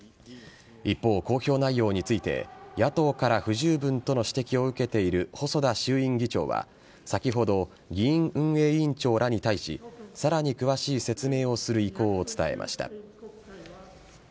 一方、公表内容について野党から不十分との指摘を受けている細田衆院議長は先ほど、議院運営委員長らに対しさらに詳しい説明をする意向を伝えました。